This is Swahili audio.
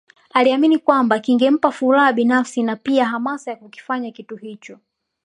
Aliamini kwamba kingempa furaha binafsi na pia hamasa ya kukifanya kitu hicho